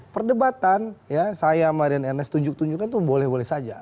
perdebatan ya saya sama rian ernest tunjuk tunjukkan itu boleh boleh saja